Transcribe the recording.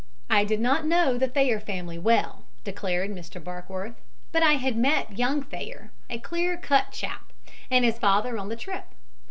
"I did not know the Thayer family well," declared Mr. Barkworth, "but I had met young Thayer, a clear cut chap, and his father on the trip.